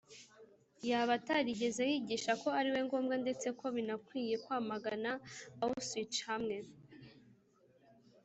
yaba atarigeze yigisha ko ari ngombwa ndetse ko binakwiriye kwamagana Auschwitz hamwe